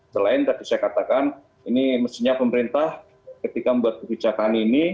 selain tadi saya katakan ini mestinya pemerintah ketika membuat kebijakan ini